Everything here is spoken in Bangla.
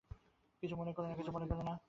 কিছু মনে করো না, কিছু মনে করো না।